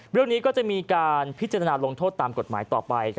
เรื่องนี้ก็จะมีการพิจารณาลงโทษตามกฎหมายต่อไป